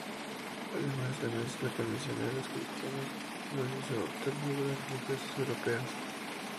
Además, la mezcla con misioneros cristianos los hizo adoptar figuras religiosas europeas.